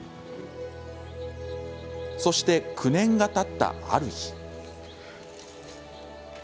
そして、９年がたった、ある日。